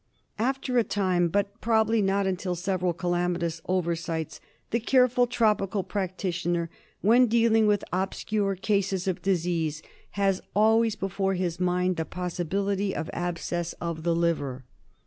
After a time, but probably not until several calamitous oversights, the careful tropical practitioner when dealing with obscure cases of disease has always before his mind the possibility of abscess of the liver.